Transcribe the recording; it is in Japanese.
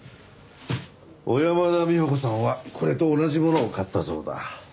小山田美穂子さんはこれと同じものを買ったそうだ。